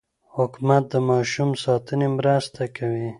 حکومت د ماشوم ساتنې مرسته کوي.